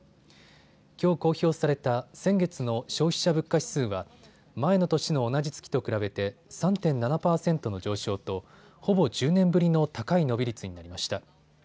きょう公表された先月の消費者物価指数は前の年の同じ月と比べて３．７％の上昇とほぼ１０年ぶりの高い伸び率になりました。